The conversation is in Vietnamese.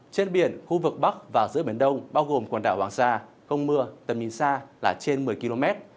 trên biển khu vực bắc và giữa biển đông bao gồm quần đảo hoàng sa không mưa tầm nhìn xa là trên một mươi km